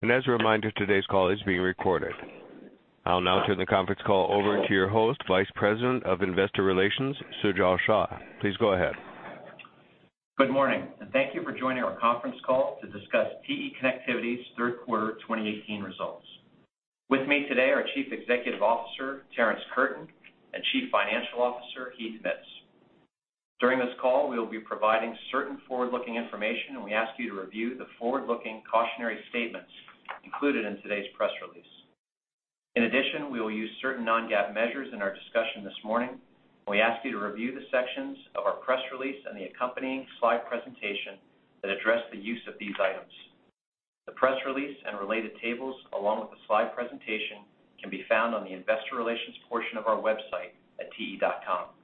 As a reminder, today's call is being recorded. I'll now turn the conference call over to your host, Vice President of Investor Relations, Sujal Shah. Please go ahead. Good morning, and thank you for joining our conference call to discuss TE Connectivity's third quarter 2018 results. With me today are Chief Executive Officer Terrence Curtin and Chief Financial Officer Heath Mitts. During this call, we will be providing certain forward-looking information, and we ask you to review the forward-looking cautionary statements included in today's press release. In addition, we will use certain non-GAAP measures in our discussion this morning, and we ask you to review the sections of our press release and the accompanying slide presentation that address the use of these items. The press release and related tables, along with the slide presentation, can be found on the investor relations portion of our website at te.com.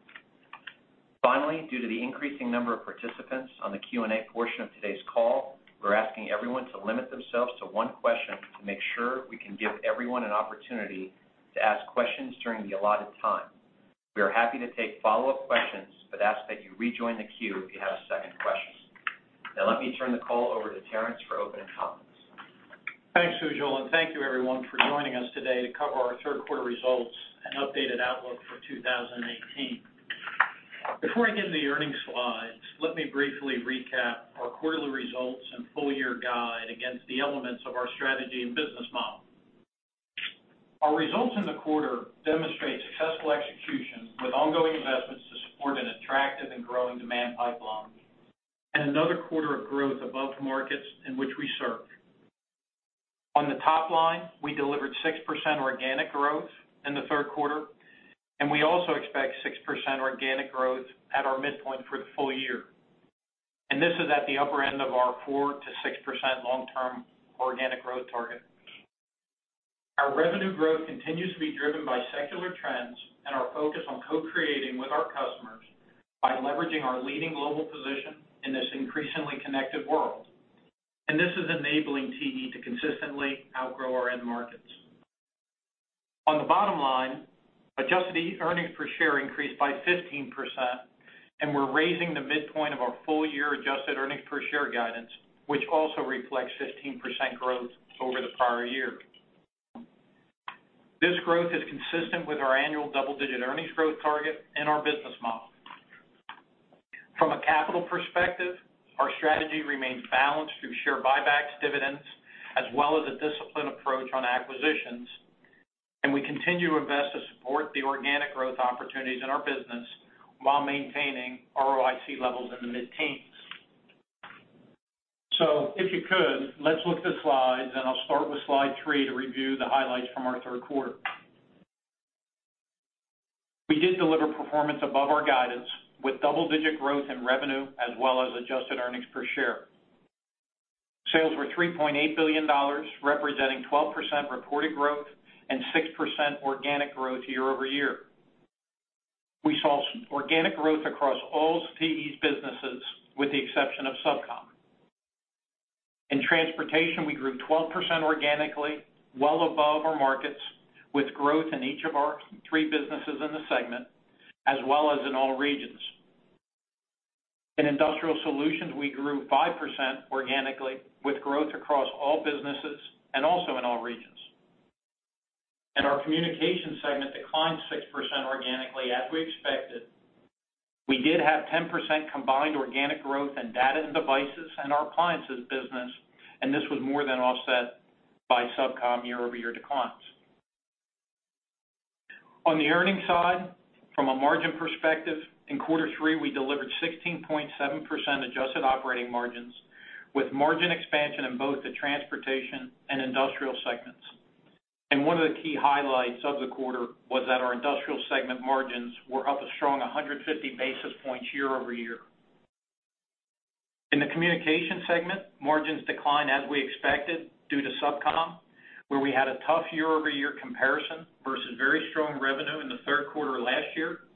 Finally, due to the increasing number of participants on the Q&A portion of today's call, we're asking everyone to limit themselves to one question to make sure we can give everyone an opportunity to ask questions during the allotted time. We are happy to take follow-up questions, but ask that you rejoin the queue if you have a second question. Now, let me turn the call over to Terrence for opening comments. Thanks, Sujal, and thank you everyone for joining us today to cover our third quarter results and updated outlook for 2018. Before I get into the earnings slides, let me briefly recap our quarterly results and full year guide against the elements of our strategy and business model. Our results in the quarter demonstrate successful execution with ongoing investments to support an attractive and growing demand pipeline, and another quarter of growth above the markets in which we serve. On the top line, we delivered 6% organic growth in the third quarter, and we also expect 6% organic growth at our midpoint for the full year, and this is at the upper end of our 4%-6% long-term organic growth target. Our revenue growth continues to be driven by secular trends and our focus on co-creating with our customers by leveraging our leading global position in this increasingly connected world. This is enabling TE to consistently outgrow our end markets. On the bottom line, adjusted earnings per share increased by 15%, and we're raising the midpoint of our full-year adjusted earnings per share guidance, which also reflects 15% growth over the prior year. This growth is consistent with our annual double-digit earnings growth target and our business model. From a capital perspective, our strategy remains balanced through share buybacks, dividends, as well as a disciplined approach on acquisitions, and we continue to invest to support the organic growth opportunities in our business while maintaining ROIC levels in the mid-teens. So if you could, let's look at the slides, and I'll start with slide 3 to review the highlights from our third quarter. We did deliver performance above our guidance, with double-digit growth in revenue as well as adjusted earnings per share. Sales were $3.8 billion, representing 12% reported growth and 6% organic growth year-over-year. We saw organic growth across all TE's businesses, with the exception of SubCom. In Transportation, we grew 12% organically, well above our markets, with growth in each of our three businesses in the segment, as well as in all regions. In Industrial Solutions, we grew 5% organically, with growth across all businesses and also in all regions. And our Communications segment declined 6% organically, as we expected. We did have 10% combined organic growth in Data & Devices and our Appliances business, and this was more than offset by SubCom year-over-year declines. On the earnings side, from a margin perspective, in quarter three, we delivered 16.7% adjusted operating margins, with margin expansion in both the Transportation Solutions and Industrial Solutions segments. One of the key highlights of the quarter was that our Industrial Solutions segment margins were up a strong 150 basis points year-over-year. In the Communications Solutions segment, margins declined as we expected due to SubCom, where we had a tough year-over-year comparison versus very strong revenue in the third quarter last year,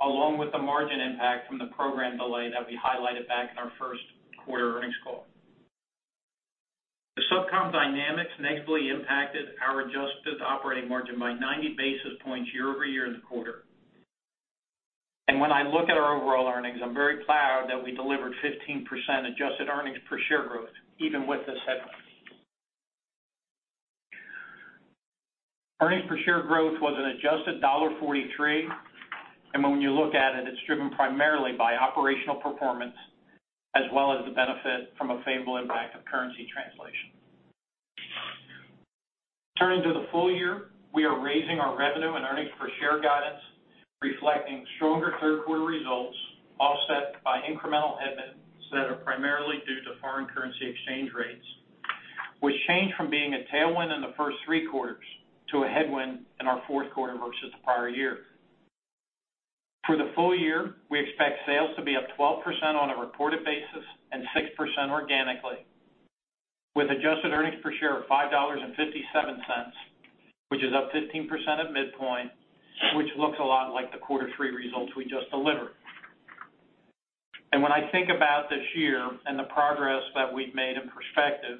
along with the margin impact from the program delay that we highlighted back in our first quarter earnings call. The SubCom dynamics negatively impacted our adjusted operating margin by 90 basis points year-over-year in the quarter. And when I look at our overall earnings, I'm very proud that we delivered 15% adjusted earnings per share growth, even with this headwind. Earnings per share growth was an adjusted $0.43, and when you look at it, it's driven primarily by operational performance as well as the benefit from a favorable impact of currency translation. Turning to the full year, we are raising our revenue and earnings per share guidance, reflecting stronger third quarter results, offset by incremental headwinds that are primarily due to foreign currency exchange rates, which changed from being a tailwind in the first three quarters to a headwind in our fourth quarter versus the prior year. For the full year, we expect sales to be up 12% on a reported basis and 6% organically, with adjusted earnings per share of $5.57, which is up 15% at midpoint, which looks a lot like the quarter three results we just delivered. When I think about this year and the progress that we've made in perspective,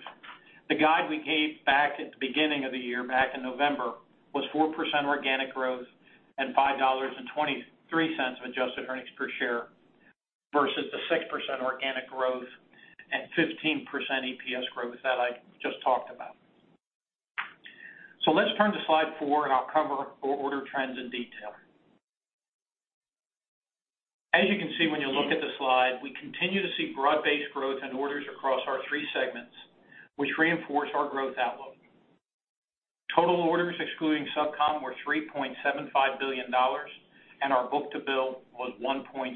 the guide we gave back at the beginning of the year, back in November, was 4% organic growth and $5.23 of adjusted earnings per share... versus the 6% organic growth and 15% EPS growth that I just talked about. Let's turn to slide four, and I'll cover our order trends in detail. As you can see when you look at the slide, we continue to see broad-based growth in orders across our three segments, which reinforce our growth outlook. Total orders, excluding SubCom, were $3.75 billion, and our book-to-bill was 1.05.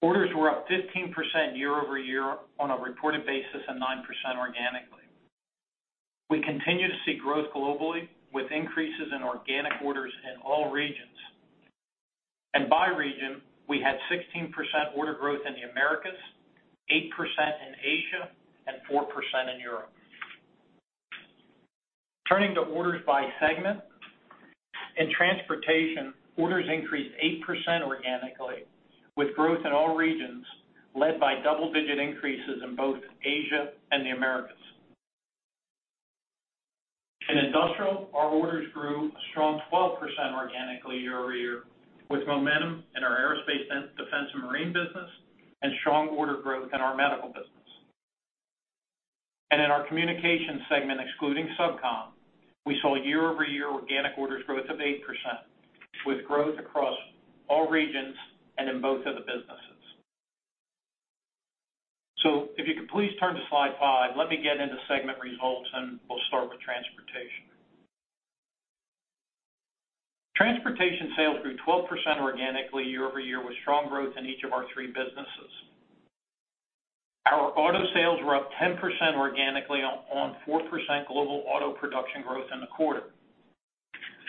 Orders were up 15% year-over-year on a reported basis, and 9% organically. We continue to see growth globally, with increases in organic orders in all regions. And by region, we had 16% order growth in the Americas, 8% in Asia, and 4% in Europe. Turning to orders by segment. In transportation, orders increased 8% organically, with growth in all regions, led by double-digit increases in both Asia and the Americas. In Industrial, our orders grew a strong 12% organically year-over-year, with momentum in our Aerospace, Defense, and Marine business, and strong order growth in our Medical business. In our Communication segment, excluding SubCom, we saw year-over-year organic orders growth of 8%, with growth across all regions and in both of the businesses. So if you could please turn to slide 5, let me get into segment results, and we'll start with Transportation. Transportation sales grew 12% organically year-over-year, with strong growth in each of our three businesses. Our auto sales were up 10% organically on 4% global auto production growth in the quarter.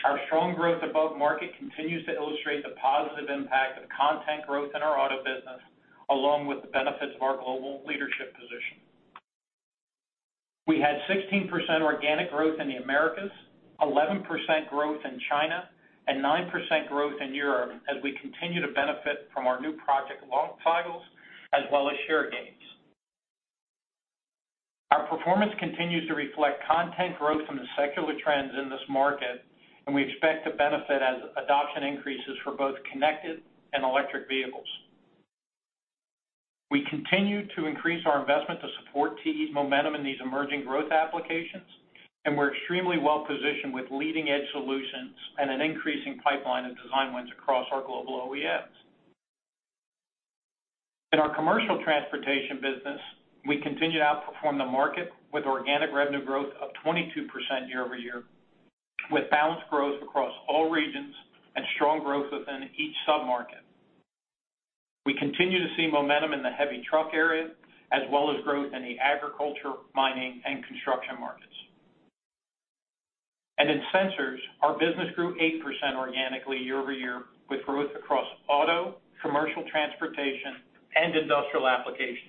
Our strong growth above market continues to illustrate the positive impact of content growth in our Auto business, along with the benefits of our global leadership position. We had 16% organic growth in the Americas, 11% growth in China, and 9% growth in Europe, as we continue to benefit from our new project launch titles, as well as share gains. Our performance continues to reflect content growth from the secular trends in this market, and we expect to benefit as adoption increases for both connected and electric vehicles. We continue to increase our investment to support TE's momentum in these emerging growth applications, and we're extremely well positioned with leading-edge solutions and an increasing pipeline of design wins across our global OEMs. In our Commercial Transportation business, we continued to outperform the market with organic revenue growth of 22% year-over-year, with balanced growth across all regions and strong growth within each sub-market. We continue to see momentum in the heavy truck area, as well as growth in the agriculture, mining, and construction markets. In Sensors, our business grew 8% organically year-over-year, with growth across auto, Commercial Transportation, and industrial applications.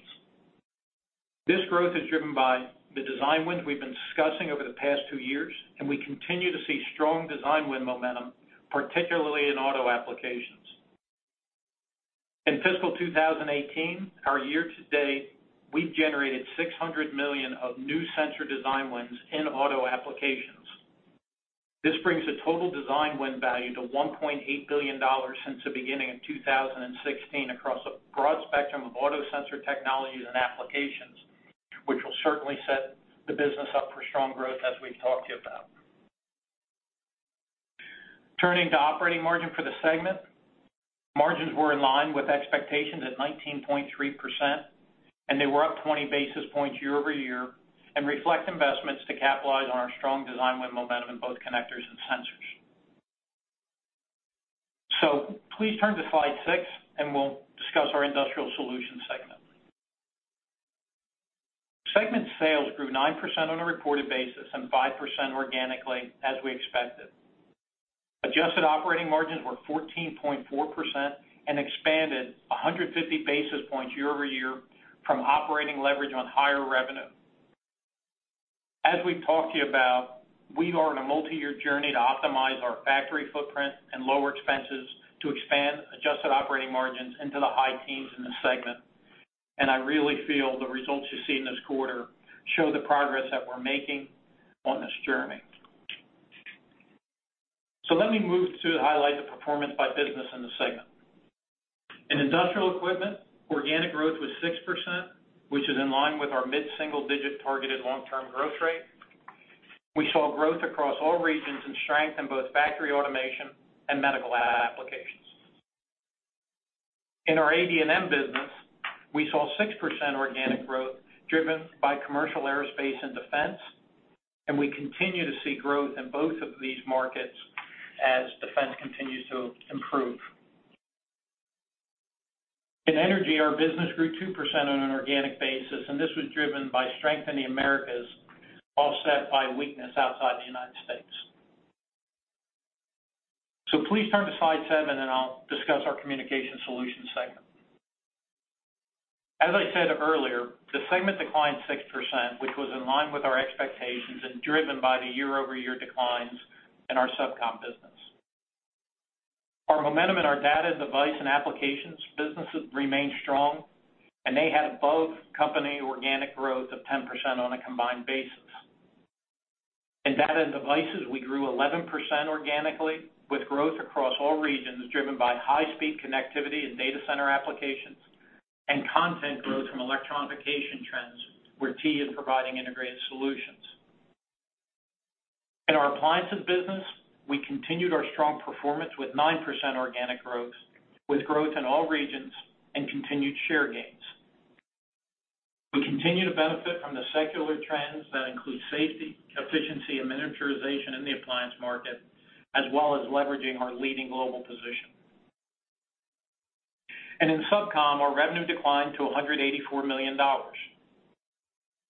This growth is driven by the design wins we've been discussing over the past two years, and we continue to see strong design win momentum, particularly in auto applications. In fiscal 2018, our year-to-date, we've generated $600 million of new sensor design wins in auto applications. This brings the total design win value to $1.8 billion since the beginning of 2016 across a broad spectrum of auto sensor technologies and applications, which will certainly set the business up for strong growth, as we've talked to you about. Turning to operating margin for the segment. Margins were in line with expectations at 19.3%, and they were up 20 basis points year-over-year and reflect investments to capitalize on our strong design win momentum in both connectors and sensors. Please turn to slide six, and we'll discuss our Industrial Solutions segment. Segment sales grew 9% on a reported basis and 5% organically, as we expected. Adjusted operating margins were 14.4% and expanded 150 basis points year-over-year from operating leverage on higher revenue. As we've talked to you about, we are on a multiyear journey to optimize our factory footprint and lower expenses to expand adjusted operating margins into the high teens in this segment. I really feel the results you see in this quarter show the progress that we're making on this journey. So let me move to highlight the performance by business in the segment. In Industrial Equipment, organic growth was 6%, which is in line with our mid-single digit targeted long-term growth rate. We saw growth across all regions and strength in both factory automation and medical applications. In our AD&M business, we saw 6% organic growth, driven by commercial aerospace and defense, and we continue to see growth in both of these markets as defense continues to improve. In Energy, our business grew 2% on an organic basis, and this was driven by strength in the Americas, offset by weakness outside the United States. So please turn to slide 7, and I'll discuss our Communications Solutions segment. As I said earlier, the segment declined 6%, which was in line with our expectations and driven by the year-over-year declines in our SubCom business. Our momentum in our Data, Device, and Applications businesses remained strong, and they had above-company organic growth of 10% on a combined basis. In Data and Devices, we grew 11% organically, with growth across all regions, driven by high-speed connectivity and data center applications, and content growth from electronification trends, where TE is providing integrated solutions. In our Appliances business, we continued our strong performance with 9% organic growth, with growth in all regions and continued share gains. We continue to benefit from the secular trends that include safety, efficiency, and miniaturization in the appliance market, as well as leveraging our leading global position. And in SubCom, our revenue declined to $184 million.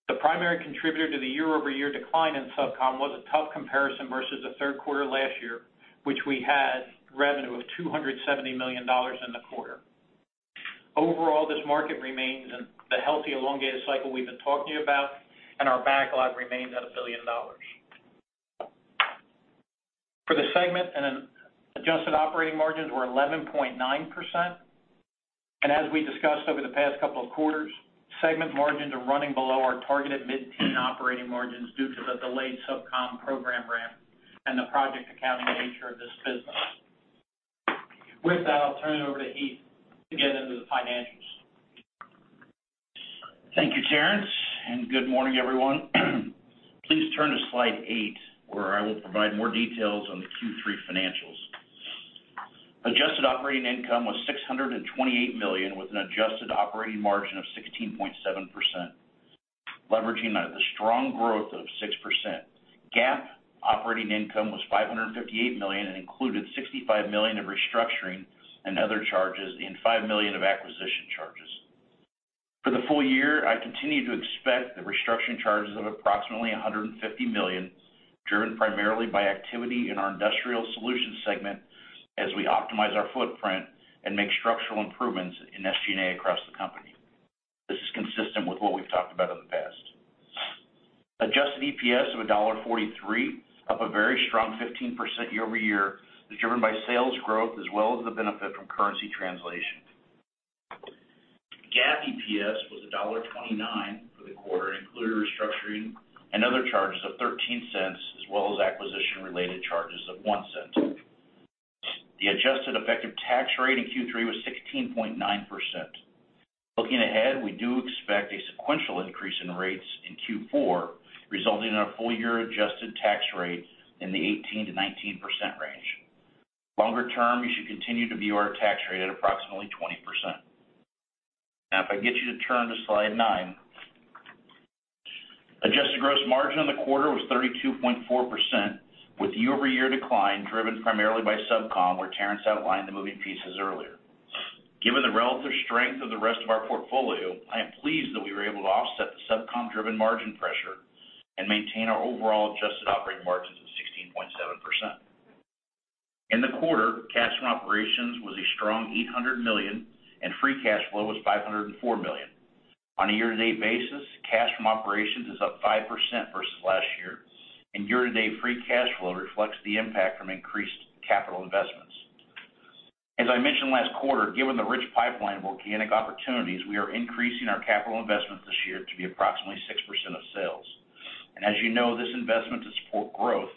The primary contributor to the year-over-year decline in SubCom was a tough comparison versus the third quarter last year, which we had revenue of $270 million in the quarter. Overall, this market remains in the healthy elongated cycle we've been talking about, and our backlog remains at $1 billion. For the segment and an adjusted operating margins were 11.9%, and as we discussed over the past couple of quarters, segment margins are running below our targeted mid-teen operating margins due to the delayed SubCom program ramp and the project accounting nature of this business. With that, I'll turn it over to Heath to get into the financials. Thank you, Terrence, and good morning, everyone. Please turn to slide 8, where I will provide more details on the Q3 financials. Adjusted operating income was $628 million, with an adjusted operating margin of 16.7%, leveraging the strong growth of 6%. GAAP operating income was $558 million and included $65 million of restructuring and other charges, and $5 million of acquisition charges. For the full year, I continue to expect the restructuring charges of approximately $150 million, driven primarily by activity in our Industrial Solutions segment as we optimize our footprint and make structural improvements in SG&A across the company. This is consistent with what we've talked about in the past. Adjusted EPS of $1.43, up a very strong 15% year-over-year, was driven by sales growth as well as the benefit from currency translation. GAAP EPS was $1.29 for the quarter, including restructuring and other charges of $0.13, as well as acquisition-related charges of $0.01. The adjusted effective tax rate in Q3 was 16.9%. Looking ahead, we do expect a sequential increase in rates in Q4, resulting in a full year adjusted tax rate in the 18%-19% range. Longer term, you should continue to view our tax rate at approximately 20%. Now, if I can get you to turn to slide 9. Adjusted gross margin in the quarter was 32.4%, with year-over-year decline, driven primarily by SubCom, where Terrence outlined the moving pieces earlier. Given the relative strength of the rest of our portfolio, I am pleased that we were able to offset the SubCom-driven margin pressure and maintain our overall adjusted operating margins of 16.7%. In the quarter, cash from operations was a strong $800 million, and free cash flow was $504 million. On a year-to-date basis, cash from operations is up 5% versus last year, and year-to-date free cash flow reflects the impact from increased capital investments. As I mentioned last quarter, given the rich pipeline of organic opportunities, we are increasing our capital investment this year to be approximately 6% of sales. And as you know, this investment to support growth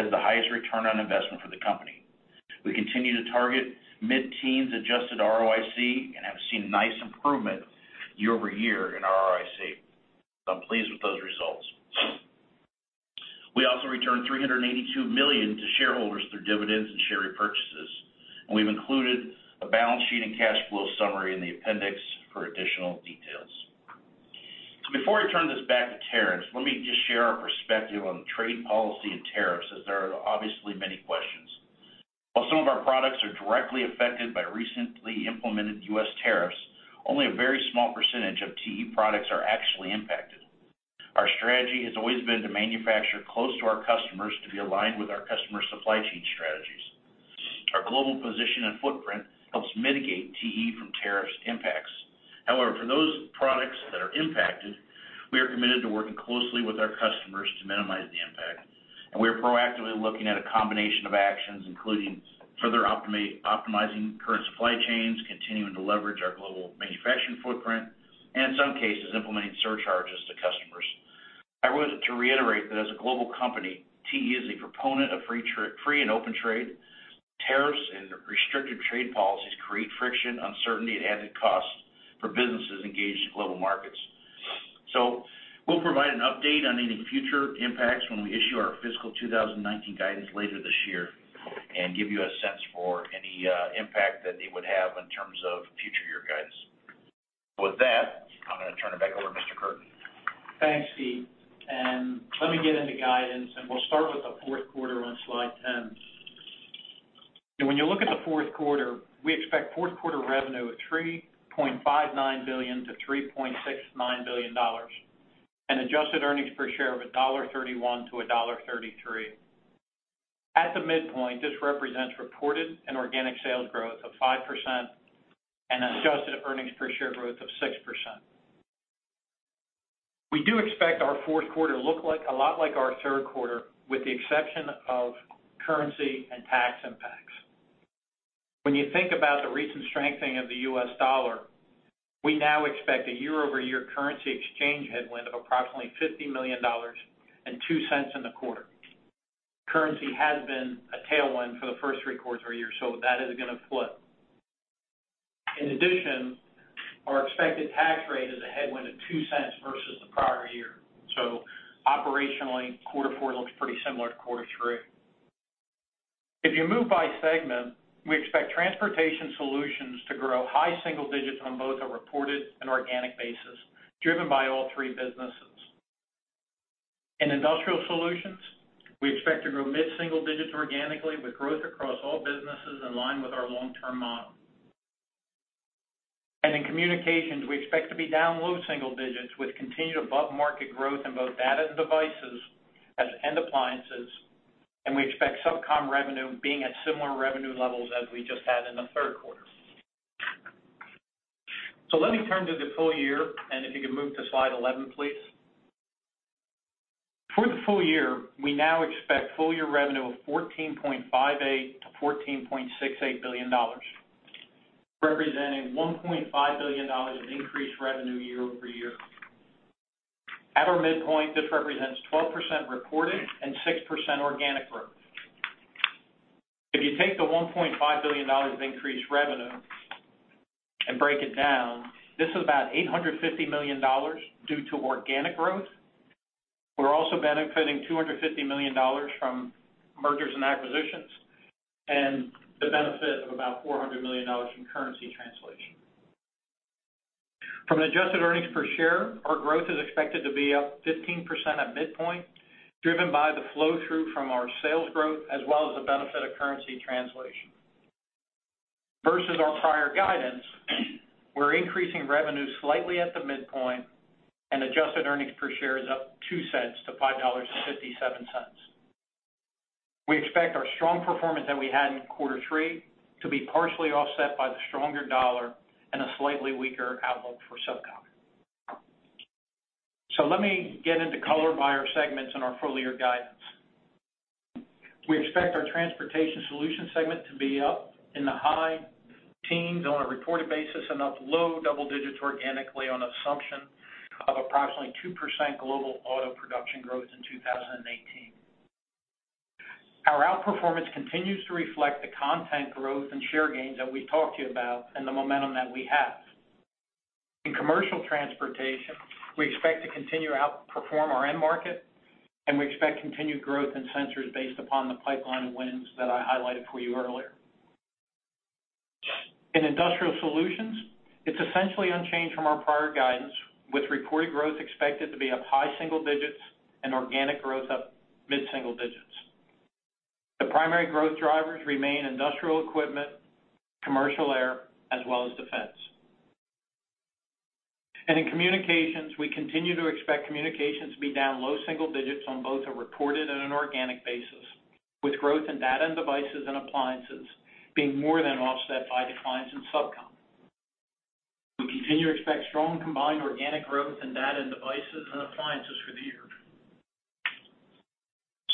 has the highest return on investment for the company. We continue to target mid-teens adjusted ROIC and have seen nice improvement year over year in our ROIC. I'm pleased with those results. We also returned $382 million to shareholders through dividends and share repurchases, and we've included a balance sheet and cash flow summary in the appendix for additional details. So before I turn this back to Terrence, let me just share our perspective on trade policy and tariffs, as there are obviously many questions. While some of our products are directly affected by recently implemented U.S. tariffs, only a very small percentage of TE products are actually impacted. Our strategy has always been to manufacture close to our customers to be aligned with our customers' supply chain strategies. Our global position and footprint helps mitigate TE from tariffs impacts. However, for those products that are impacted, we are committed to working closely with our customers to minimize the impact, and we are proactively looking at a combination of actions, including further optimizing current supply chains, continuing to leverage our global manufacturing footprint, and in some cases, implementing surcharges to customers. I want to reiterate that as a global company, TE is a proponent of free and open trade. Tariffs and restrictive trade policies create friction, uncertainty, and added costs for businesses engaged in global markets. We'll provide an update on any future impacts when we issue our fiscal 2019 guidance later this year, and give you a sense for any impact that it would have in terms of future year guidance. With that, I'm going to turn it back over to Mr. Curtin. Thanks, Heath. Let me get into guidance, and we'll start with the fourth quarter on slide 10. When you look at the fourth quarter, we expect fourth quarter revenue of $3.59 billion-$3.69 billion, and adjusted earnings per share of $1.31-$1.33. At the midpoint, this represents reported and organic sales growth of 5% and adjusted earnings per share growth of 6%. We do expect our fourth quarter look like a lot like our third quarter, with the exception of currency and tax impacts. When you think about the recent strengthening of the US dollar, we now expect a year-over-year currency exchange headwind of approximately $50 million and 2 cents in the quarter. Currency has been a tailwind for the first three quarters a year, so that is going to flip. In addition, our expected tax rate is a headwind of $0.02 versus the prior year. So operationally, quarter four looks pretty similar to quarter three. If you move by segment, we expect Transportation Solutions to grow high single digits on both a reported and organic basis, driven by all three businesses. In Industrial Solutions, we expect to grow mid-single digits organically, with growth across all businesses in line with our long-term model. And in Communications Solutions, we expect to be down low single digits, with continued above-market growth in both Data and Devices and Appliances, and we expect SubCom revenue being at similar revenue levels as we just had in the third quarter. So let me turn to the full year, and if you could move to slide 11, please. For the full year, we now expect full-year revenue of $14.58 billion-$14.68 billion, representing $1.5 billion of increased revenue year over year. At our midpoint, this represents 12% reported and 6% organic growth. If you take the $1.5 billion of increased revenue and break it down, this is about $850 million due to organic growth. We're also benefiting $250 million from mergers and acquisitions, and the benefit of about $400 million in currency translation. From an adjusted earnings per share, our growth is expected to be up 15% at midpoint, driven by the flow-through from our sales growth as well as the benefit of currency translation. Versus our prior guidance, we're increasing revenue slightly at the midpoint, and adjusted earnings per share is up $0.02-$5.57. We expect our strong performance that we had in quarter three to be partially offset by the stronger dollar and a slightly weaker outlook for SubCom. So let me get into color by our segments and our full year guidance. We expect our Transportation Solutions segment to be up in the high teens on a reported basis and up low double digits organically on assumption of approximately 2% global auto production growth in 2018. Our outperformance continues to reflect the content growth and share gains that we talked to you about and the momentum that we have. In Commercial Transportation, we expect to continue to outperform our end market, and we expect continued growth in Sensors based upon the pipeline wins that I highlighted for you earlier. In Industrial Solutions, it's essentially unchanged from our prior guidance, with reported growth expected to be up high single digits and organic growth up mid-single digits. The primary growth drivers remain Industrial Equipment, commercial air, as well as defense. And in Communications, we continue to expect Communications to be down low single digits on both a reported and an organic basis, with growth in Data & Devices and Appliances being more than offset by declines in SubCom. We continue to expect strong combined organic growth in Data & Devices and Appliances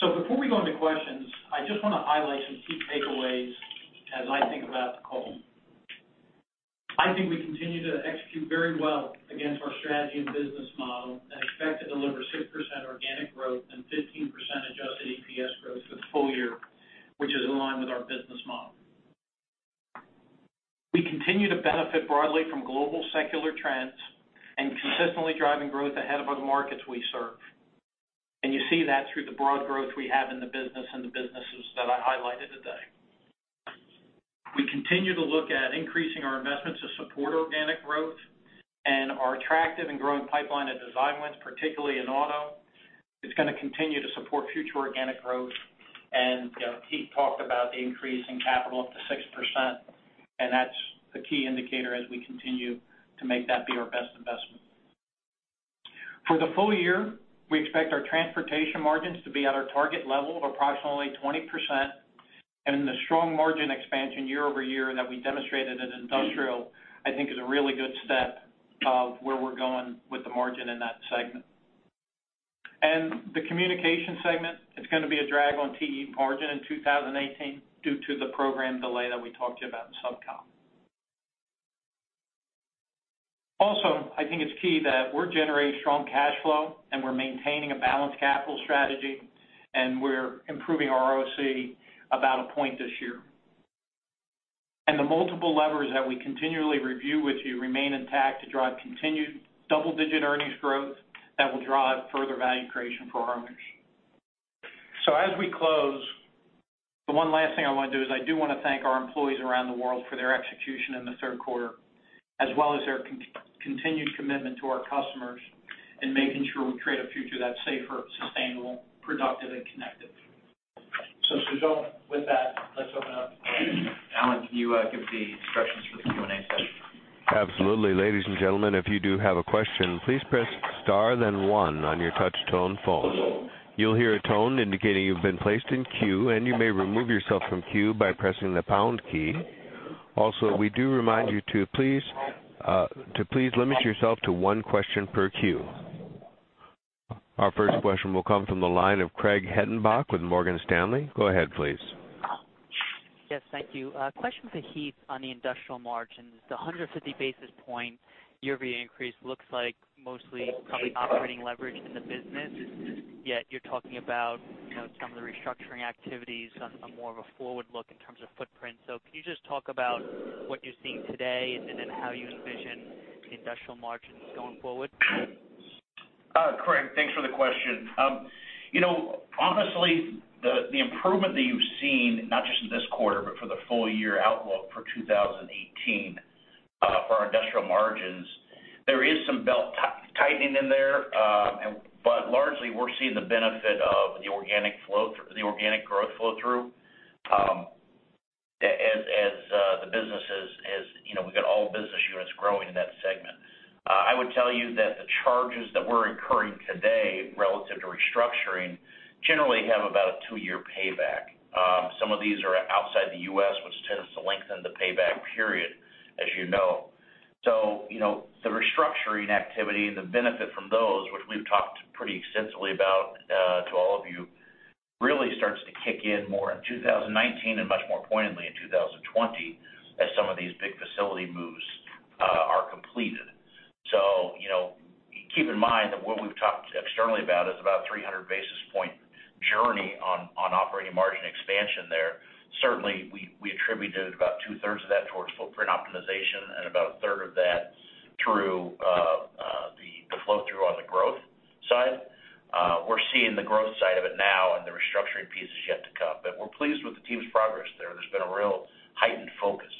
for the year. So before we go into questions, I just want to highlight some key takeaways as I think about the call. I think we continue to execute very well against our strategy and business model, and expect to deliver 6% organic growth and 15% adjusted EPS growth for the full year, which is in line with our business model. We continue to benefit broadly from global secular trends and consistently driving growth ahead of other markets we serve, and you see that through the broad growth we have in the business and the businesses that I highlighted today. We continue to look at increasing our investments to support organic growth and our attractive and growing pipeline of design wins, particularly in auto. It's going to continue to support future organic growth, and, you know, Heath talked about the increase in capital up to 6%, and that's the key indicator as we continue to make that be our best investment. For the full year, we expect our transportation margins to be at our target level of approximately 20%, and the strong margin expansion year-over-year that we demonstrated in industrial, I think is a really good step of where we're going with the margin in that segment. The communication segment, it's going to be a drag on TE margin in 2018 due to the program delay that we talked about in SubCom. Also, I think it's key that we're generating strong cash flow, and we're maintaining a balanced capital strategy, and we're improving our ROIC about a point this year. The multiple levers that we continually review with you remain intact to drive continued double-digit earnings growth that will drive further value creation for our owners. So as we close, the one last thing I want to do is I do want to thank our employees around the world for their execution in the third quarter, as well as their continued commitment to our customers in making sure we create a future that's safer, sustainable, productive, and connected. So Sujal, with that, let's open up. Alan, can you give the instructions for the Q&A session? Absolutely. Ladies and gentlemen, if you do have a question, please press star then one on your touch-tone phone. You'll hear a tone indicating you've been placed in queue, and you may remove yourself from queue by pressing the pound key. Also, we do remind you to please, to please limit yourself to one question per queue.... Our first question will come from the line of Craig Hettenbach with Morgan Stanley. Go ahead, please. Yes, thank you. Question for Heath on the industrial margins. The 150 basis point year-over-year increase looks like mostly probably operating leverage in the business, yet you're talking about, you know, some of the restructuring activities on, on more of a forward look in terms of footprint. So can you just talk about what you're seeing today, and then how you envision the industrial margins going forward? Craig, thanks for the question. You know, honestly, the improvement that you've seen, not just in this quarter, but for the full year outlook for 2018, for our industrial margins, there is some belt-tightening in there, and but largely, we're seeing the benefit of the organic flow, the organic growth flow-through, as the business is, you know, we've got all business units growing in that segment. I would tell you that the charges that we're incurring today relative to restructuring, generally have about a 2-year payback. Some of these are outside the U.S., which tends to lengthen the payback period, as you know. So, you know, the restructuring activity and the benefit from those, which we've talked pretty extensively about, to all of you, really starts to kick in more in 2019 and much more pointedly in 2020, as some of these big facility moves are completed. So, you know, keep in mind that what we've talked externally about is about 300 basis point journey on operating margin expansion there. Certainly, we attributed about two-thirds of that towards footprint optimization and about a third of that through the flow-through on the growth side. We're seeing the growth side of it now, and the restructuring piece is yet to come. But we're pleased with the team's progress there. There's been a real heightened focus.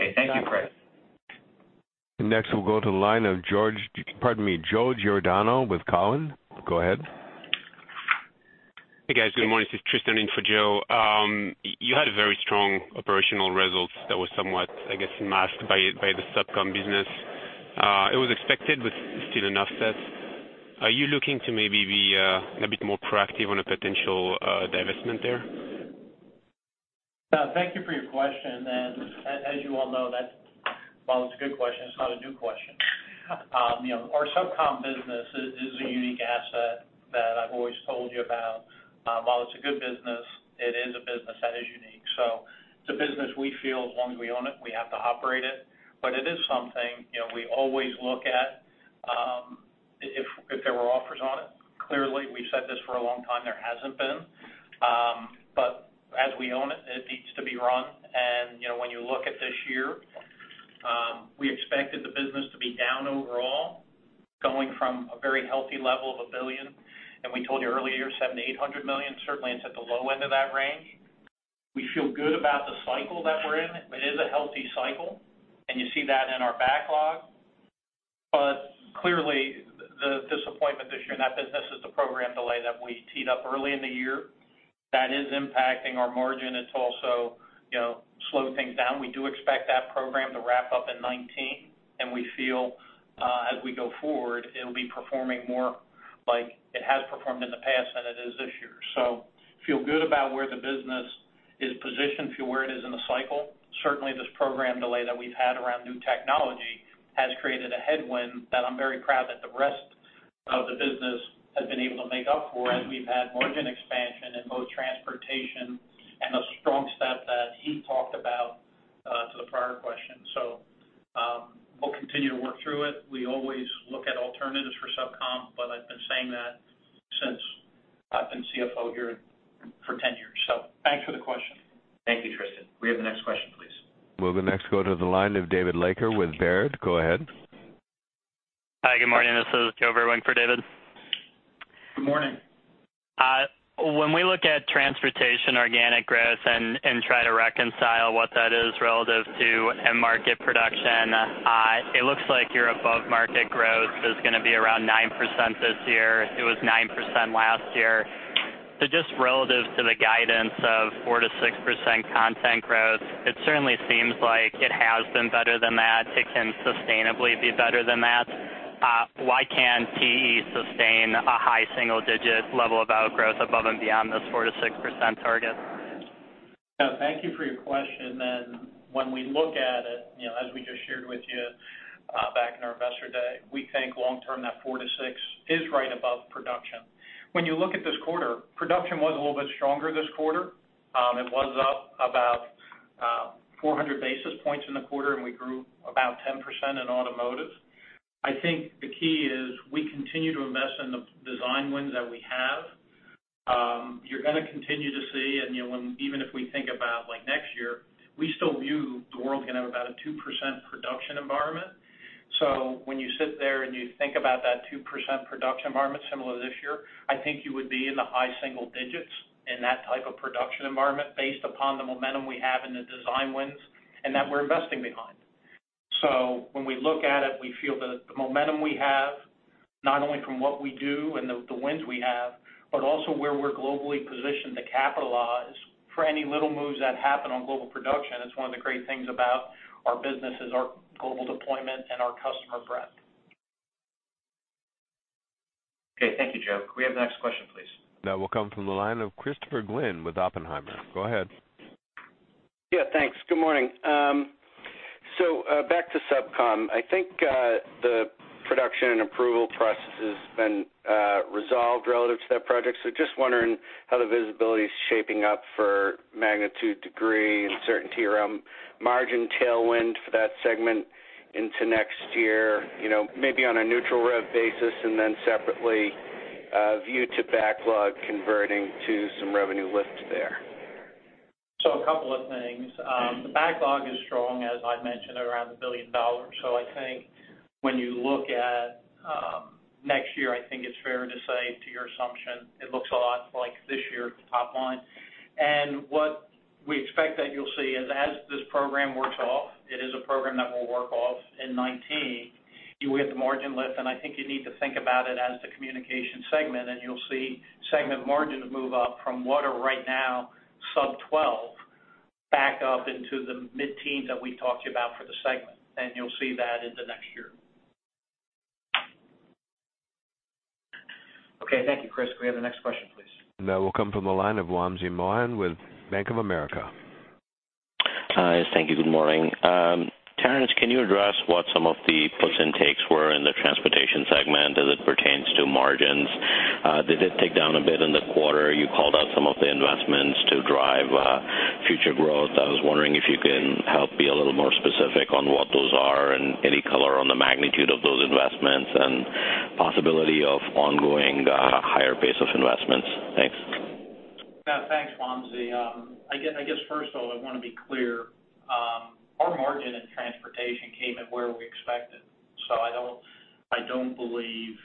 Okay, thank you, Craig. Next, we'll go to the line of George, pardon me, Joe Giordano with Cowen. Go ahead. Hey, guys, good morning. This is Tristan in for Joe. You had a very strong operational results that was somewhat, I guess, masked by, by the SubCom business. It was expected, but still an upset. Are you looking to maybe be a bit more proactive on a potential divestment there? Thank you for your question. And as you all know, that while it's a good question, it's not a new question. You know, our SubCom business is a unique asset that I've always told you about. While it's a good business, it is a business that is unique. So it's a business we feel as long as we own it, we have to operate it. But it is something, you know, we always look at, if there were offers on it. Clearly, we've said this for a long time, there hasn't been. But as we own it, it needs to be run. And you know, when you look at this year, we expected the business to be down overall, going from a very healthy level of $1 billion. And we told you earlier, $700 million-$800 million, certainly it's at the low end of that range. We feel good about the cycle that we're in. It is a healthy cycle, and you see that in our backlog. But clearly, the disappointment this year in that business is the program delay that we teed up early in the year. That is impacting our margin. It's also, you know, slowed things down. We do expect that program to wrap up in 2019, and we feel, as we go forward, it'll be performing more like it has performed in the past than it is this year. So feel good about where the business is positioned to where it is in the cycle. Certainly, this program delay that we've had around new technology has created a headwind that I'm very proud that the rest of the business has been able to make up for, as we've had margin expansion in both transportation and the strong stuff that Heath talked about to the prior question. So, we'll continue to work through it. We always look at alternatives for SubCom, but I've been saying that since I've been CFO here for 10 years. So thanks for the question. Thank you, Tristan. Can we have the next question, please? We'll now go to the line of David Leiker with Baird. Go ahead. Hi, good morning. This is Joe Vruwink for David Leiker. Good morning. When we look at transportation organic growth and try to reconcile what that is relative to end market production, it looks like your above-market growth is gonna be around 9% this year. It was 9% last year. So just relative to the guidance of 4%-6% content growth, it certainly seems like it has been better than that. It can sustainably be better than that. Why can TE sustain a high single-digit level of outgrowth above and beyond this 4%-6% target? Thank you for your question. And when we look at it, you know, as we just shared with you, back in our Investor Day, we think long term, that 4-6 is right above production. When you look at this quarter, production was a little bit stronger this quarter. It was up about 400 basis points in the quarter, and we grew about 10% in automotive. I think the key is we continue to invest in the design wins that we have. You're gonna continue to see, and, you know, when even if we think about like next year, we still view the world gonna have about a 2% production environment. So when you sit there and you think about that 2% production environment, similar to this year, I think you would be in the high single digits in that type of production environment, based upon the momentum we have in the design wins, and that we're investing behind. So when we look at it, we feel that the momentum we have, not only from what we do and the wins we have, but also where we're globally positioned to capitalize for any little moves that happen on global production, it's one of the great things about our business is our global deployment and our customer breadth. Okay, thank you, Joe. Can we have the next question, please? That will come from the line of Christopher Glynn with Oppenheimer. Go ahead.... Yeah, thanks. Good morning. So, back to SubCom, I think, the production and approval process has been resolved relative to that project. So just wondering how the visibility is shaping up for magnitude, degree, and certainty around margin tailwind for that segment into next year, you know, maybe on a neutral rev basis, and then separately, view to backlog converting to some revenue lift there. So a couple of things. The backlog is strong, as I mentioned, around $1 billion. So I think when you look at next year, I think it's fair to say, to your assumption, it looks a lot like this year at the top line. And what we expect that you'll see is as this program works off, it is a program that will work off in 2019, you will get the margin lift, and I think you need to think about it as the communications segment, and you'll see segment margin move up from what are right now, sub-12, back up into the mid-teens that we talked about for the segment. And you'll see that in the next year. Okay. Thank you, Chris. Can we have the next question, please? That will come from the line of Wamsi Mohan with Bank of America. Hi, thank you. Good morning. Terrence, can you address what some of the puts and takes were in the transportation segment as it pertains to margins? They did take down a bit in the quarter. You called out some of the investments to drive future growth. I was wondering if you can help be a little more specific on what those are and any color on the magnitude of those investments, and possibility of ongoing higher pace of investments. Thanks. Yeah, thanks, Wamsi. I guess first of all, I want to be clear, our margin in transportation came in where we expected. So I don't believe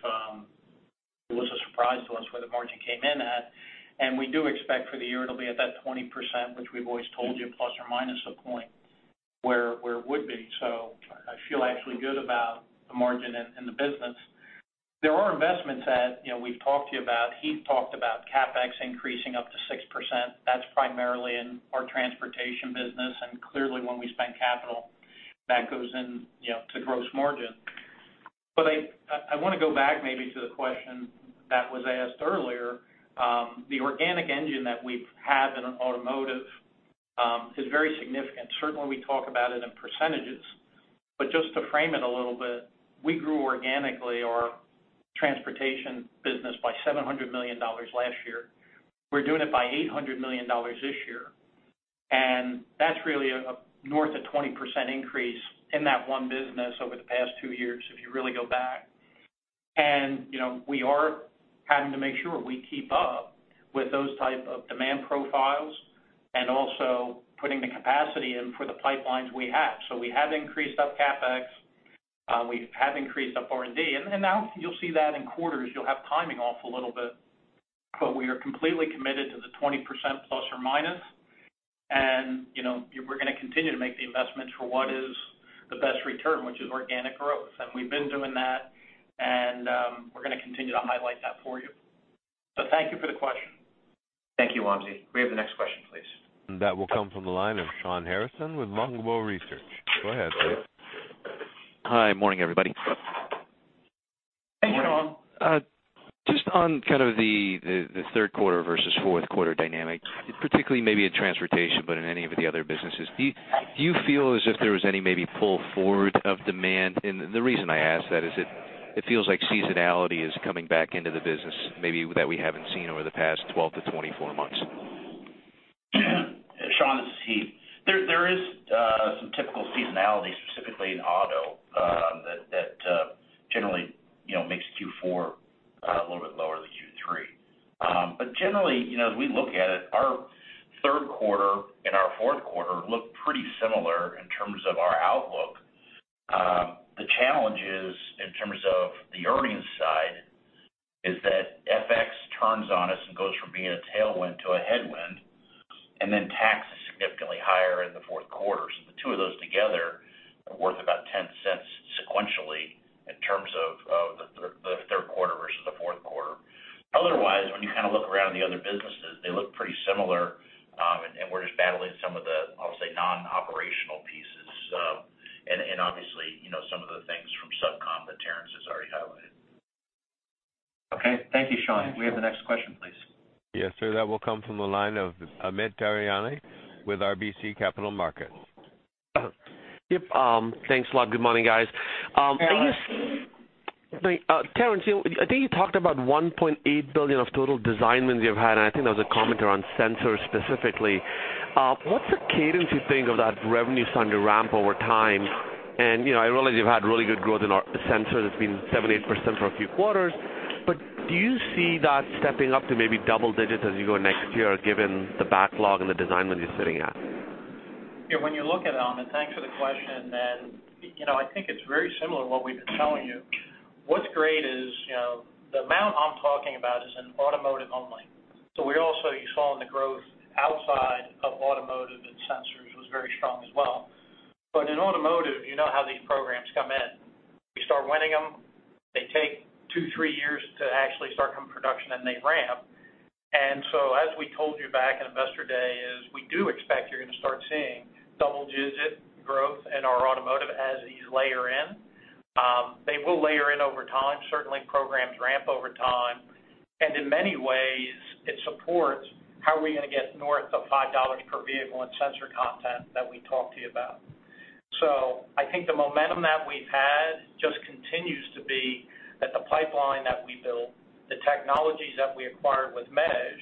it was a surprise to us where the margin came in at, and we do expect for the year it'll be at that 20%, which we've always told you, plus or minus a point, where it would be. So I feel actually good about the margin in the business. There are investments that, you know, we've talked to you about. Heath talked about CapEx increasing up to 6%. That's primarily in our Transportation business, and clearly, when we spend capital, that goes in, you know, to gross margin. But I want to go back maybe to the question that was asked earlier. The organic engine that we've had in automotive is very significant. Certainly, we talk about it in percentages, but just to frame it a little bit, we grew organically our Transportation business by $700 million last year. We're doing it by $800 million this year, and that's really a north of 20% increase in that one business over the past two years, if you really go back. And, you know, we are having to make sure we keep up with those type of demand profiles and also putting the capacity in for the pipelines we have. So we have increased up CapEx, we have increased up R&D, and, and now you'll see that in quarters. You'll have timing off a little bit, but we are completely committed to the 20% ±, and, you know, we're gonna continue to make the investments for what is the best return, which is organic growth. And we've been doing that, and, we're gonna continue to highlight that for you. So thank you for the question. Thank you, Wamsi. Can we have the next question, please? That will come from the line of Shawn Harrison with Longbow Research. Go ahead, please. Hi, morning, everybody. Hey, Shawn. Just on kind of the third quarter versus fourth quarter dynamic, particularly maybe in transportation, but in any of the other businesses, do you feel as if there was any maybe pull forward of demand? The reason I ask that is it feels like seasonality is coming back into the business, maybe that we haven't seen over the past 12-24 months. Shawn, this is Heath. There is some typical seasonality, specifically in auto, RBC Capital Markets. Yep, thanks a lot. Good morning, guys. I just- Hey, Amit. Terrence, you know, I think you talked about $1.8 billion of total design wins you've had, and I think there was a comment around sensors specifically. What's the cadence you think of that revenue starting to ramp over time? And, you know, I realize you've had really good growth in our sensors. It's been 7%-8% for a few quarters, but do you see that stepping up to maybe double digits as you go next year, given the backlog and the design wins you're sitting at? Yeah, when you look at it, Amit, thanks for the question, and, you know, I think it's very similar to what we've been telling you. What's great is, you know, the amount I'm talking about is in automotive only. So we also, you saw in the growth outside of automotive and sensors was very strong as well. But in automotive, you know how these programs come in. We start winning them, they take two, three years to actually start coming to production, and they ramp. And so as we told you back in Investor Day, is we do expect you're going to start seeing double-digit growth in our automotive as these layer in. They will layer in many ways, it supports how are we gonna get north of $5 per vehicle in sensor content that we talked to you about? So I think the momentum that we've had just continues to be that the pipeline that we built, the technologies that we acquired with MEAS,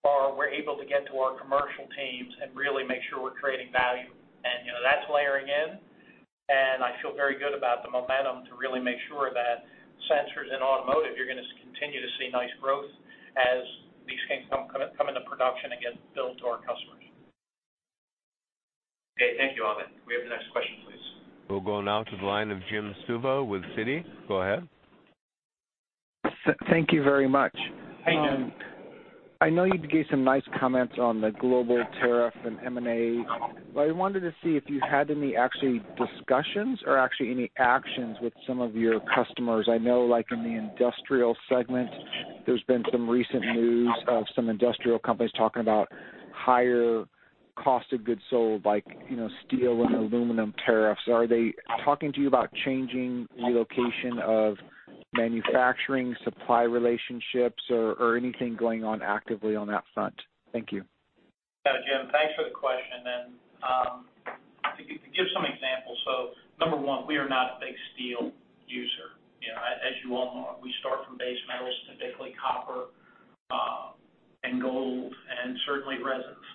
are we're able to get to our commercial teams and really make sure we're creating value. And, you know, that's layering in, and I feel very good about the momentum to really make sure that sensors in automotive, you're gonna continue to see nice growth as these things come into production and get built to our customers. Okay, thank you, Amit. Can we have the next question, please? We'll go now to the line of Jim Suva with Citi. Go ahead. Thank you very much. Hey, Jim. I know you gave some nice comments on the global tariff and M&A, but I wanted to see if you had any actual discussions or any actual actions with some of your customers. I know, like in the industrial segment, there's been some recent news of some industrial companies talking about higher cost of goods sold, like, you know, steel and aluminum tariffs. Are they talking to you about changing the location of manufacturing, supply relationships, or, or anything going on actively on that front? Thank you. Yeah, Jim, thanks for the question, and, to give some examples, so number one, we are not a big steel user. You know, as you all know, we start from base metals, typically copper, and gold, and certainly resins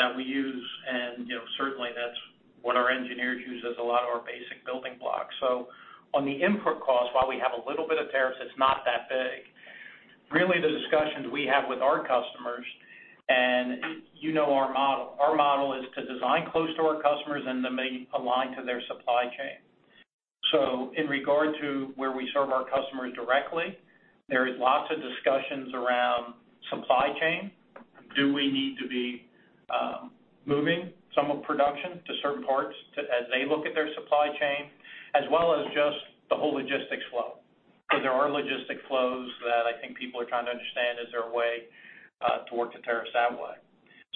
that we use, and, you know, certainly that's what our engineers use as a lot of our basic building blocks. So on the input cost, while we have a little bit of tariffs, it's not that big. Really, the discussions we have with our customers, and you know our model. Our model is to design close to our customers and then they align to their supply chain. So in regard to where we serve our customers directly, there is lots of discussions around supply chain. Do we need to be moving some of production to certain parts as they look at their supply chain, as well as just the whole logistics flow? So there are logistic flows that I think people are trying to understand. Is there a way to work the tariffs that way.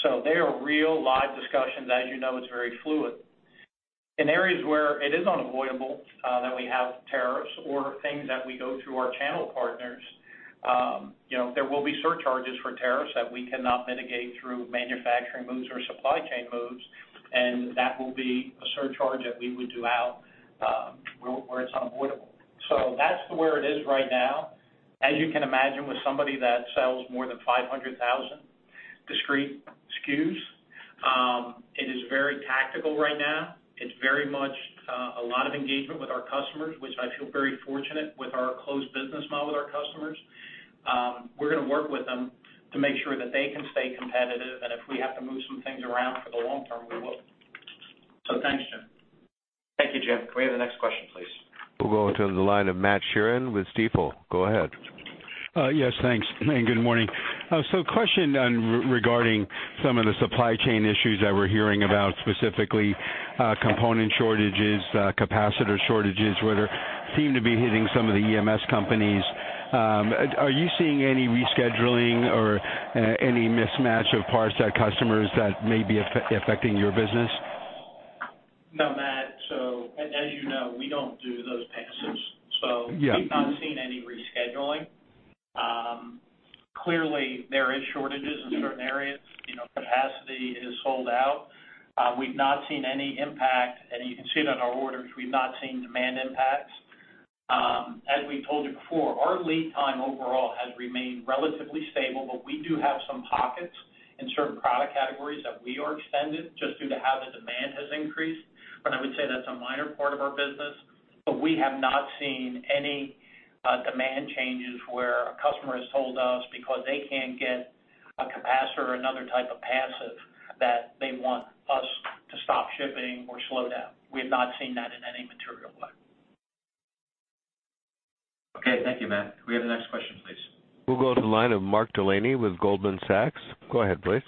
So they are real live discussions. As you know, it's very fluid. In areas where it is unavoidable that we have tariffs or things that we go through our channel partners, you know, there will be surcharges for tariffs that we cannot mitigate through manufacturing moves or supply chain moves, and that will be a surcharge that we would do out where it's unavoidable. So that's where it is right now. As you can imagine, with somebody that sells more than 500,000 discrete SKUs, it is very tactical right now. It's very much, a lot of engagement with our customers, which I feel very fortunate with our close business model with our customers. We're gonna work with them to make sure that they can stay competitive, and if we have to move some things around for the long term, we will. So thanks, Jim. Thank you, Jim. Can we have the next question, please? We'll go to the line of Matt Sheerin with Stifel. Go ahead. Yes, thanks, and good morning. So a question on regarding some of the supply chain issues that we're hearing about, specifically, component shortages, capacitor shortages, whether seem to be hitting some of the EMS companies. Are you seeing any rescheduling or, any mismatch of parts that customers that may be affecting your business? No, Matt. So as you know, we don't do those passives. Yeah. So we've not seen any rescheduling. Clearly, there is shortages in certain areas. You know, capacity is sold out. We've not seen any impact, and you can see it on our orders, we've not seen demand impacts. As we told you before, our lead time overall has remained relatively stable, but we do have some pockets in certain product categories that we are extended, just due to how the demand has increased. But I would say that's a minor part of our business, but we have not seen any demand changes where a customer has told us because they can't get a capacitor or another type of passive, that they want us to stop shipping or slow down. We have not seen that in any material way. Okay. Thank you, Matt. Can we have the next question, please? We'll go to the line of Mark Delaney with Goldman Sachs. Go ahead, please.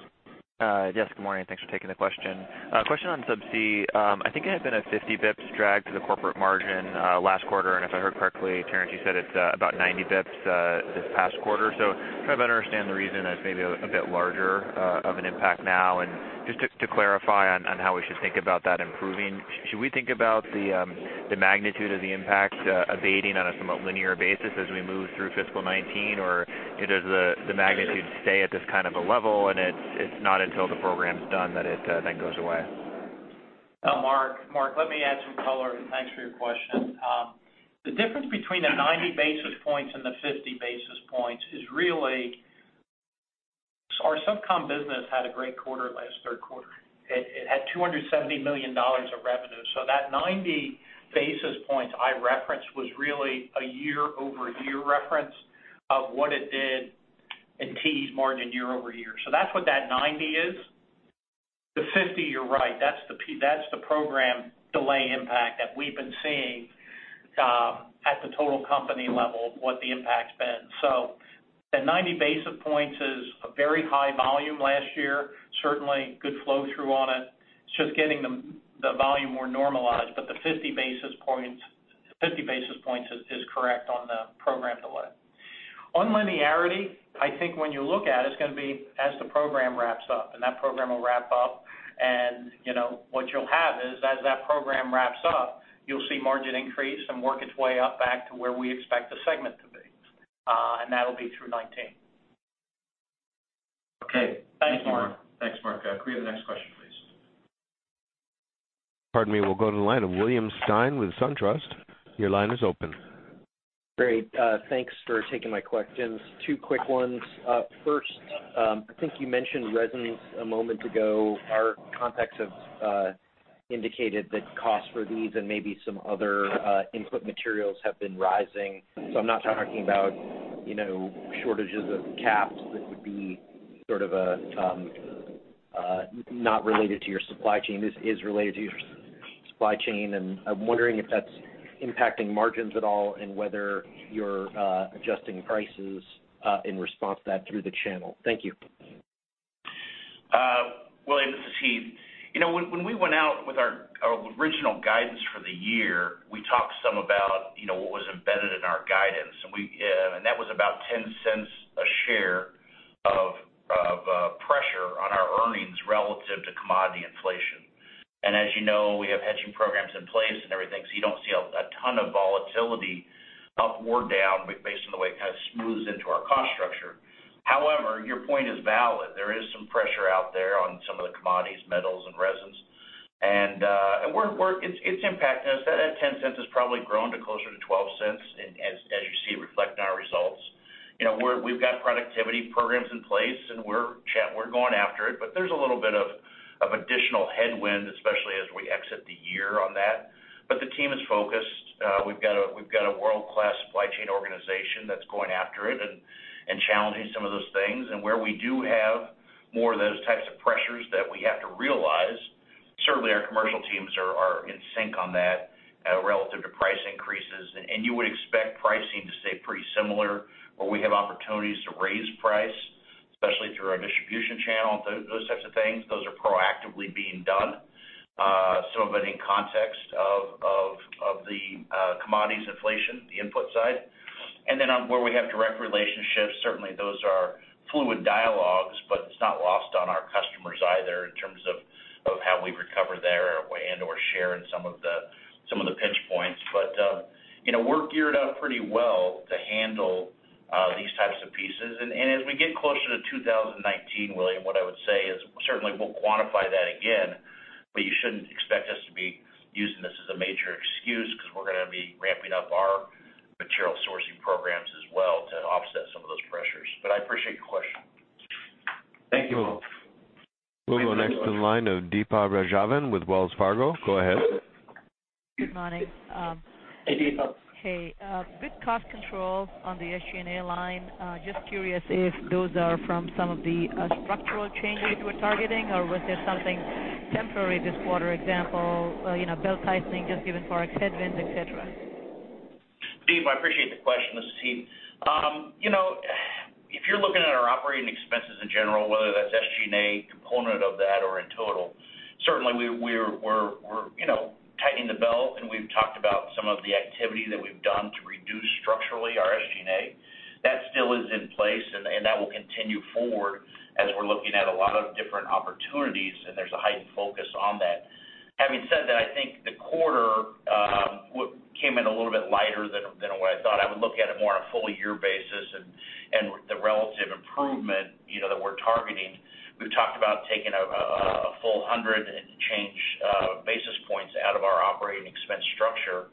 Yes, good morning. Thanks for taking the question. A question on Subsea. I think it had been a 50 basis points drag to the corporate margin, last quarter, and if I heard correctly, Terrence, you said it's about 90 basis points, this past quarter. So try to better understand the reason that's maybe a bit larger of an impact now, and just to clarify on how we should think about that improving. Should we think about the magnitude of the impact abating on a somewhat linear basis as we move through fiscal 2019, or does the magnitude stay at this kind of a level, and it's not until the program's done that it then goes away? Mark, Mark, let me add some color. Thanks for your question. The difference between the 90 basis points and the 50 basis points is really... Our SubCom business had a great quarter last third quarter. It had $270 million of revenue. So that 90 basis points I referenced was really a year-over-year reference of what it did in TE's margin year-over-year. So that's what that 90 is. The 50, you're right, that's the program delay impact that we've been seeing at the total company level, what the impact's been. So the 90 basis points is a very high volume last year, certainly good flow-through on it. It's just getting the volume more normalized, but the 50 basis points is correct on the program delay. Non-linearity, I think when you look at it, it's gonna be as the program wraps up, and that program will wrap up, and, you know, what you'll have is, as that program wraps up, you'll see margin increase and work its way up back to where we expect the segment to be, and that'll be through 2019.... Okay, thanks, Mark. Thanks, Mark. Can we have the next question, please? Pardon me. We'll go to the line of William Stein with SunTrust. Your line is open. Great, thanks for taking my questions. Two quick ones. First, I think you mentioned resins a moment ago. Our contacts have indicated that costs for these and maybe some other input materials have been rising. So I'm not talking about, you know, shortages of caps that would be sort of a not related to your supply chain. This is related to your supply chain, and I'm wondering if that's impacting margins at all and whether you're adjusting prices in response to that through the channel. Thank you. William, this is Heath. You know, when, when we went out with our, our original guidance for the year, we talked some about, you know, what was embedded in our guidance. And we, and that was about $0.10 a share of pressure on our earnings relative to commodity inflation. And as you know, we have hedging programs in place and everything, so you don't see a ton of volatility up or down, but based on the way it kind of smooths into our cost structure. However, your point is valid. There is some pressure out there on some of the commodities, metals and resins. And we're – it's impacting us. That $0.10 has probably grown to closer to $0.12, and as you see it reflected in our results. You know, we've got productivity programs in place, and we're going after it. But there's a little bit of additional headwind, especially as we exit the year on that. But the team is focused. We've got a world-class supply chain organization that's going after it and challenging some of those things. And where we do have more of those types of pressures that we have to realize, certainly our commercial teams are in sync on that relative to price increases. And you would expect pricing to stay pretty similar, where we have opportunities to raise price, especially through our distribution channel, those types of things, those are proactively being done. Some of it in context of the commodities inflation, the input side. Then on where we have direct relationships, certainly those are fluid dialogues, but it's not lost on our customers either, in terms of, of how we recover their way and/or share in some of the, some of the pinch points. But, you know, we're geared up pretty well to handle these types of pieces. And, as we get closer to 2019, William, what I would say is, certainly we'll quantify that again, but you shouldn't expect us to be using this as a major excuse, 'cause we're gonna be ramping up our material sourcing programs as well to offset some of those pressures. But I appreciate your question. Thank you. We'll go next to the line of Deepa Raghavan with Wells Fargo. Go ahead. Good morning, Hey, Deepa. Hey, good cost control on the SG&A line. Just curious if those are from some of the structural changes you were targeting, or was there something temporary this quarter, example, you know, belt-tightening, just given Forex headwinds, et cetera? Deepa, I appreciate the question. This is Heath. You know, if you're looking at our operating expenses in general, whether that's SG&A component of that or in total, certainly we're tightening the belt, and we've talked about some of the activity that we've done to reduce structurally our SG&A. That still is in place, and that will continue forward as we're looking at a lot of different opportunities, and there's a heightened focus on that. Having said that, I think the quarter came in a little bit lighter than what I thought. I would look at it more on a full year basis and the relative improvement, you know, that we're targeting. We've talked about taking a full 100 and change basis points out of our operating expense structure.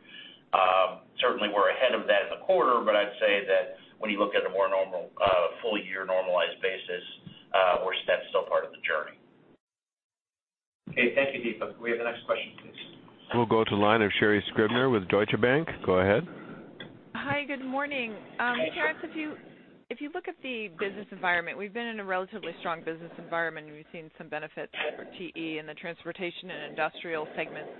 Certainly we're ahead of that in the quarter, but I'd say that when you look at a more normal full year normalized basis, we're. That's still part of the journey. Okay, thank you, Deepa. Can we have the next question, please? We'll go to the line of Sherri Scribner with Deutsche Bank. Go ahead. Hi, good morning. Hi, Sherri. Can I ask if you, if you look at the business environment, we've been in a relatively strong business environment, and we've seen some benefits for TE in the transportation and industrial segments.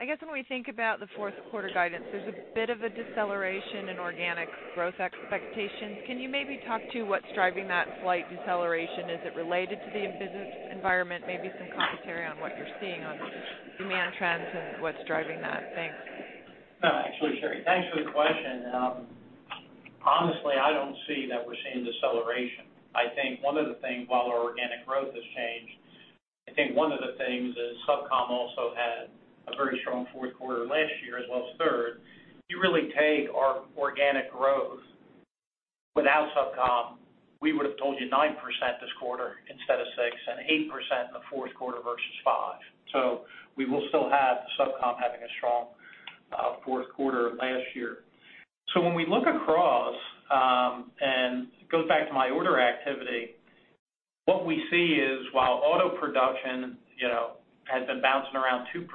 I guess when we think about the fourth quarter guidance, there's a bit of a deceleration in organic growth expectations. Can you maybe talk to what's driving that slight deceleration? Is it related to the business environment? Maybe some commentary on what you're seeing on demand trends and what's driving that. Thanks. No, actually, Sherri, thanks for the question. Honestly, I don't see that we're seeing deceleration. I think one of the things, while our organic growth has changed, I think one of the things is SubCom also had a very strong fourth quarter last year, as well as third. You really take our organic growth without SubCom, we would have told you 9% this quarter instead of 6%, and 8% in the fourth quarter versus 5%. So we will still have SubCom having a strong fourth quarter last year. So when we look across, and it goes back to my order activity, what we see is, while auto production, you know, has been bouncing around 2%,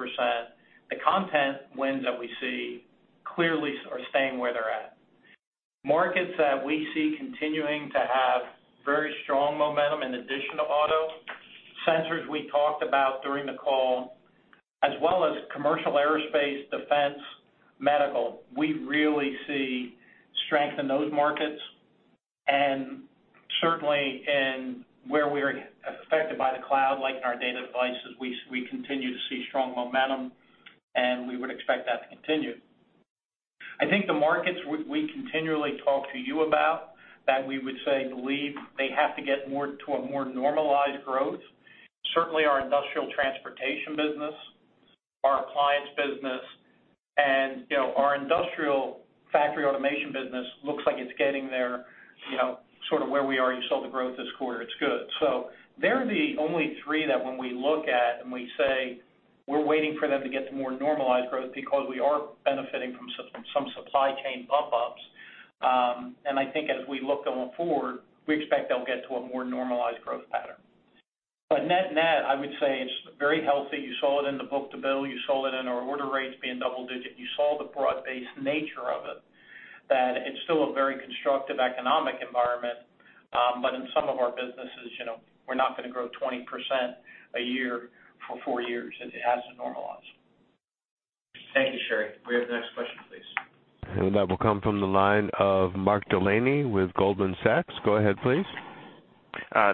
the content wins that we see clearly are staying where they're at. Markets that we see continuing to have very strong momentum in addition to auto, sensors we talked about during the call, as well as commercial aerospace, defense, medical. We really see strength in those markets, and certainly in where we're affected by the cloud, like in our data devices, we continue to see strong momentum, and we would expect that to continue. I think the markets we continually talk to you about, that we would say believe they have to get more to a more normalized growth, certainly our Industrial Transportation business, our Appliances business. Our Industrial Factory Automation business looks like it's getting there, you know, sort of where we are. You saw the growth this quarter, it's good. So they're the only three that when we look at and we say we're waiting for them to get to more normalized growth because we are benefiting from some, some supply chain bump ups. And I think as we look going forward, we expect they'll get to a more normalized growth pattern. But net-net, I would say it's very healthy. You saw it in the book-to-bill, you saw it in our order rates being double-digit. You saw the broad-based nature of it, that it's still a very constructive economic environment, but in some of our businesses, you know, we're not gonna grow 20% a year for four years. It has to normalize. Thank you, Sherri. We have the next question, please. That will come from the line of Mark Delaney with Goldman Sachs. Go ahead, please.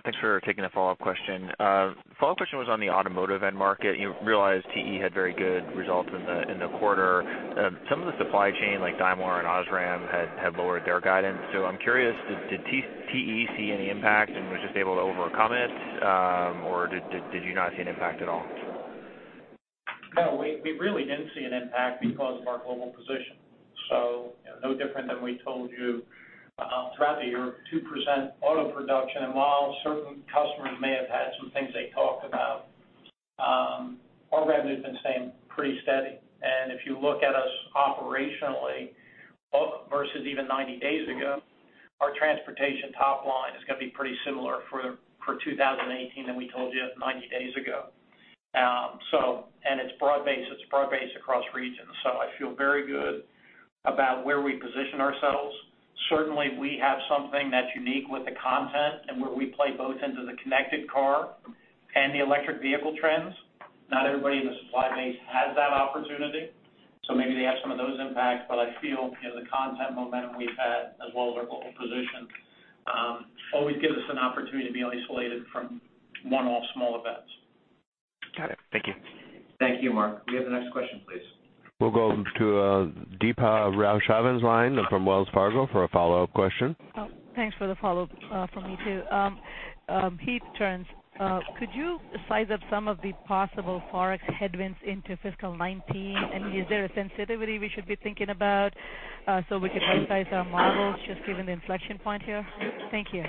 Thanks for taking the follow-up question. The follow-up question was on the automotive end market. You realize TE had very good results in the quarter. Some of the supply chain, like Daimler and OSRAM, had lowered their guidance. So I'm curious, did TE see any impact and was just able to overcome it, or did you not see an impact at all? No, we really didn't see an impact because of our global position. So no different than we told you throughout the year, 2% auto production. And while certain customers may have had some things they talked about, our revenue's been staying pretty steady. And if you look at us operationally, versus even 90 days ago, our transportation top line is gonna be pretty similar for 2018 than we told you 90 days ago. So and it's broad-based, it's broad-based across regions. So I feel very good about where we position ourselves. Certainly, we have something that's unique with the content and where we play both into the connected car and the electric vehicle trends. Not everybody in the supply base has that opportunity, so maybe they have some of those impacts. But I feel, you know, the content momentum we've had, as well as our global position, always gives us an opportunity to be isolated from one-off small events. Got it. Thank you. Thank you, Mark. We have the next question, please. We'll go to Deepa Raghavan's line from Wells Fargo for a follow-up question. Oh, thanks for the follow-up from me, too. Heath, Terrence, could you size up some of the possible Forex headwinds into fiscal 2019? And is there a sensitivity we should be thinking about, so we can rightsize our models, just given the inflection point here? Thank you.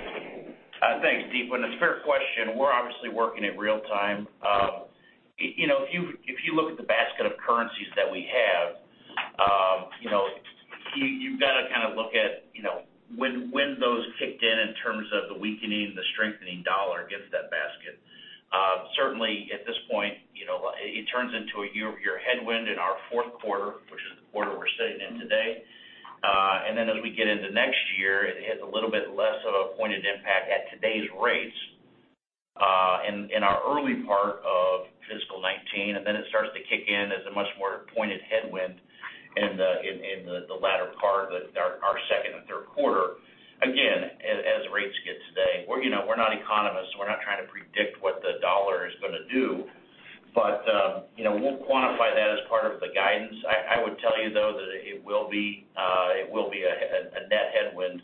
Thanks, Deepa, and it's a fair question. We're obviously working in real time. You know, if you, if you look at the basket of currencies that we have, you know, you've got to kind of look at, you know, when, when those kicked in, in terms of the weakening and the strengthening dollar against that basket. Certainly at this point, you know, it turns into a year-over-year headwind in our fourth quarter, which is the quarter we're sitting in today. And then as we get into next year, it has a little bit less of a pointed impact at today's rates, in, in our early part of fiscal 19, and then it starts to kick in as a much more pointed headwind in the, in, in the latter part of our, our second and third quarter. Again, as rates get today, we're, you know, we're not economists, we're not trying to predict what the US dollar is gonna do, but, you know, we'll quantify that as part of the guidance. I would tell you, though, that it will be a net headwind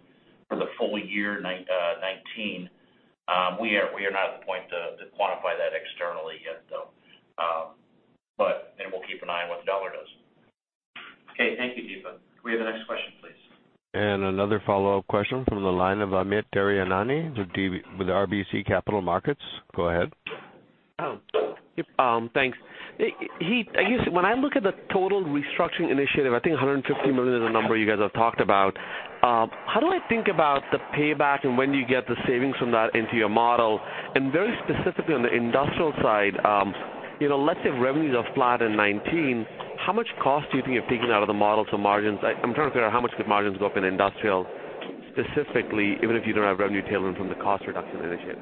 for the full year 2019. We are not at the point to quantify that externally yet, though, but and we'll keep an eye on what the US dollar does. Okay. Thank you, Deepa. Can we have the next question, please? Another follow-up question from the line of Amit Daryanani with DB- with RBC Capital Markets. Go ahead. Yep, thanks. Heath, I guess when I look at the total restructuring initiative, I think $150 million is the number you guys have talked about. How do I think about the payback and when do you get the savings from that into your model? And very specifically on the industrial side, you know, let's say revenues are flat in 2019, how much cost do you think you're taking out of the model to margins? I'm trying to figure out how much could margins go up in industrial specifically, even if you don't have revenue tailwind from the cost reduction initiative.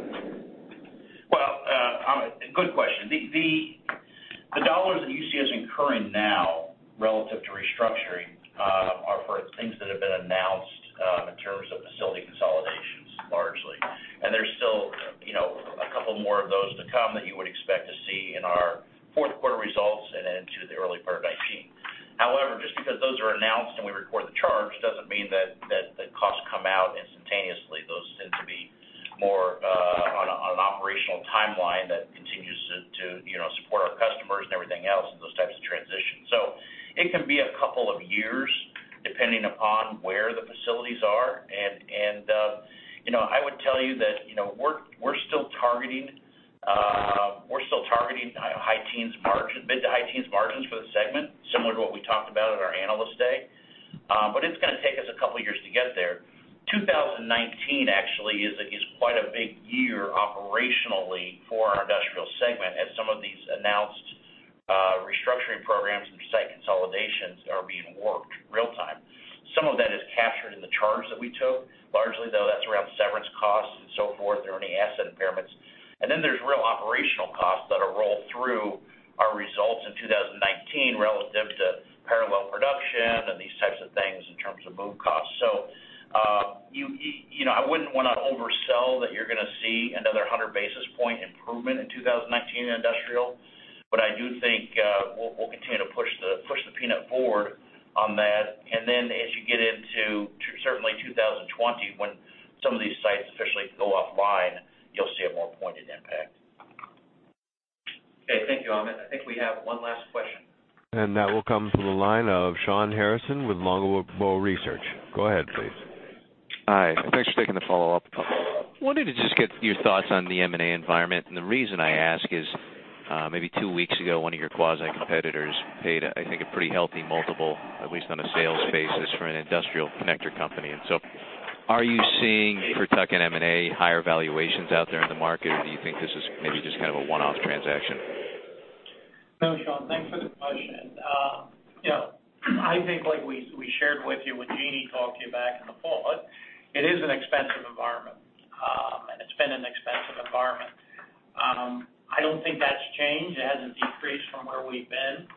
Well, Amit, good question. The dollars that you see us incurring now relative to restructuring are for things that have been announced in terms of facility consolidations, largely. And there's still, you know, a couple more of those to come that you would expect to see in our fourth quarter results and into the early part of 2019. However, just because those are announced and we record the charge, doesn't mean that the costs come out instantaneously. Those tend to be more on an operational timeline that continues to, you know, support our customers and everything else, and those types of transitions. So it can be a couple of years, depending upon where the facilities are. You know, I would tell you that, you know, we're still targeting high teens margin- mid- to high-teens margins for the segment, similar to what we talked about at our Analyst Day. But it's gonna take us a couple of years to get there. 2019 actually is quite a big year operationally for our industrial segment, as some of these announced restructuring programs and site consolidations are being worked real time. Some of that is captured in the charges that we took. Largely, though, that's around severance costs and so forth, or any asset impairments. And then there's real operational costs that are rolled through our results in 2019 relative to parallel production and these types of things in terms of move costs. You know, I wouldn't want to oversell that you're gonna see another 100 basis points improvement in 2019 in Industrial, but I do think we'll continue to push the peanut forward on that. And then as you get into certainly 2020, when some of these sites officially go offline-... Okay, thank you, Amit. I think we have one last question. That will come through the line of Shawn Harrison with Longbow Research. Go ahead, please. Hi, thanks for taking the follow-up. Wanted to just get your thoughts on the M&A environment. And the reason I ask is, maybe two weeks ago, one of your quasi competitors paid, I think, a pretty healthy multiple, at least on a sales basis, for an industrial connector company. And so are you seeing, for TE and M&A, higher valuations out there in the market, or do you think this is maybe just kind of a one-off transaction? No, Shawn, thanks for the question. You know, I think like we, we shared with you when we talked to you back in the fall, it is an expensive environment, and it's been an expensive environment. I don't think that's changed. It hasn't decreased from where we've been.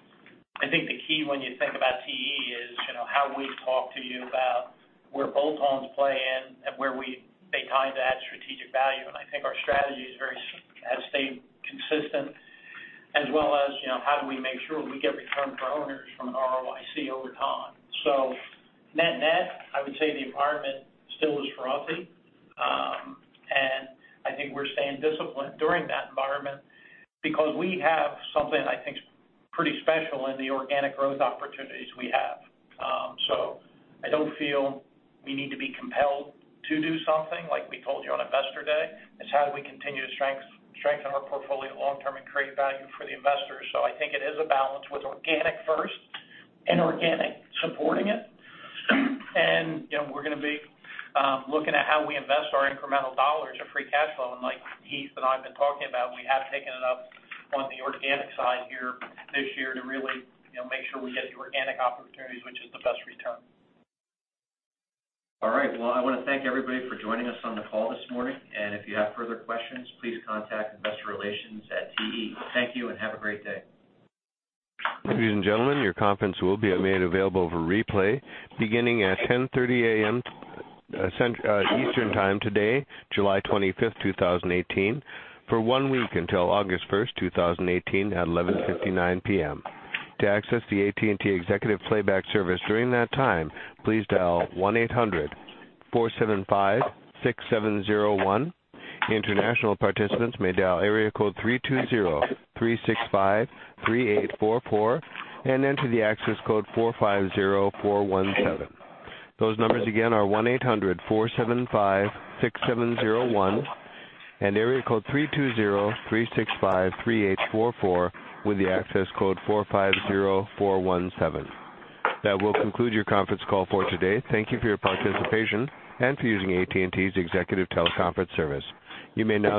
I think the key when you think about TE is, you know, how we talk to you about where bolt-ons play in and where we, they kind of add strategic value. And I think our strategy has stayed consistent, as well as, you know, how do we make sure we get return for our owners from an ROIC over time. So net-net, I would say the environment still is frothy. And I think we're staying disciplined during that environment because we have something I think is pretty special in the organic growth opportunities we have. So, I don't feel we need to be compelled to do something like we told you on Investor Day. It's how do we continue to strengthen our portfolio long term and create value for the investors. So I think it is a balance with organic first and inorganic supporting it. And, you know, we're gonna be looking at how we invest our incremental dollars of free cash flow. And like Heath and I have been talking about, we have taken it up on the organic side here this year to really, you know, make sure we get the organic opportunities, which is the best return. All right. Well, I want to thank everybody for joining us on the call this morning, and if you have further questions, please contact Investor Relations at TE. Thank you, and have a great day. Ladies and gentlemen, your conference will be made available for replay beginning at 10:30 A.M., Central, Eastern Time today, July 25th 2018, for one week until August 1, 2018, at 11:59 P.M. To access the AT&T Executive Playback service during that time, please dial 1-800-475-6701. International participants may dial area code 320-365-3844 and enter the access code 450417. Those numbers again are 1-800-475-6701 and area code 320-365-3844, with the access code 450417. That will conclude your conference call for today. Thank you for your participation and for using AT&T's Executive Teleconference service. You may now disconnect.